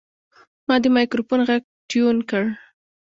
ما د مایکروفون غږ ټیون کړ.